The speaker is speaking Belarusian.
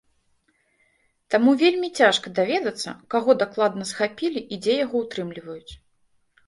Таму вельмі цяжка даведацца, каго дакладна схапілі і дзе яго ўтрымліваюць.